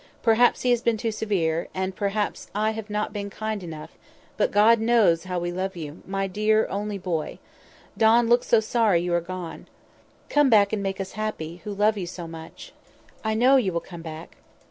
Perhaps he has been too severe, and perhaps I have not been kind enough; but God knows how we love you, my dear only boy. Don looks so sorry you are gone. Come back, and make us happy, who love you so much. I know you will come back."